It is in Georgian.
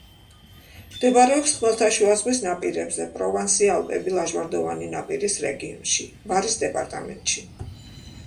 მდებარეობს ხმელთაშუა ზღვის ნაპირებზე, პროვანსი-ალპები-ლაჟვარდოვანი ნაპირის რეგიონში, ვარის დეპარტამენტში.